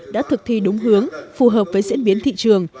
đã thực thi đúng hướng phù hợp với diễn biến thị trường